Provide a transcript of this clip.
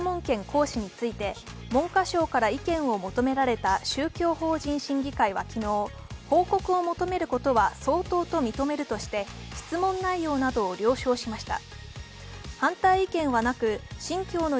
旧統一教会への質問権行使について文科省から意見を求められた宗教法人審議会は報告を求めることは相当と認めるとして質問内容を了承しました。